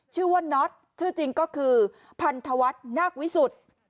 ชื่อว่าน็อตชื่อจริงก็คือพันธวัฒน์นาควิสุทธิ์